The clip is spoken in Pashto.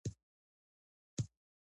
شاه محمود یو زړور او با انضباطه مشر و.